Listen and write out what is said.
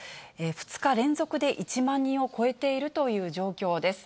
２日連続で１万人を超えているという状況です。